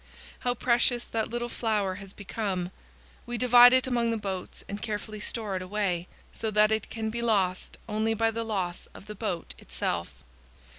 How precious that little flour has become! We divide it among the boats and carefully store it away, so that it can be lost only by the loss of the boat itself.